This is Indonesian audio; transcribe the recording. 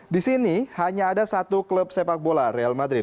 di sini hanya ada satu klub sepak bola real madrid